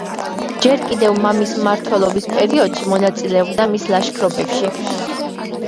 ჯერ კიდევ მამის მმართველობის პერიოდში მონაწილეობდა მის ლაშქრობებში.